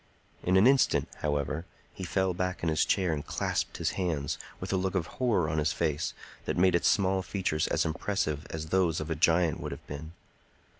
In an instant, however, he fell back in his chair and clasped his hands, with a look of horror on his face that made its small features as impressive as those of a giant would have been.